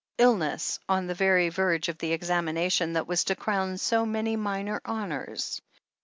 Ill ness on the very verge of the examination that was to crown so many minor honours.